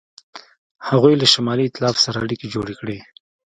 هغوی له شمالي ایتلاف سره اړیکې جوړې کړې.